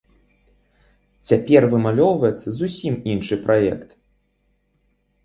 Цяпер вымалёўваецца зусім іншы праект.